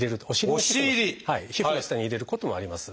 皮膚の下に入れることもあります。